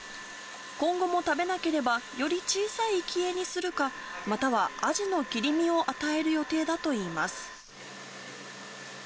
今後も食べなければ、より小さい行き餌にするか、またはアジの切り身を与える予定だといいます。